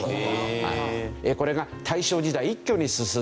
これが大正時代一挙に進んだ。